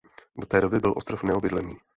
Do té doby byl ostrov neobydlený.